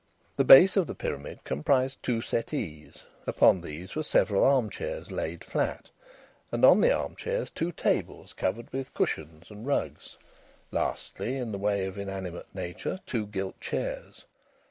The base of the pyramid comprised two settees; upon these were several arm chairs laid flat, and on the arm chairs two tables covered with cushions and rugs; lastly, in the way of inanimate nature, two gilt chairs.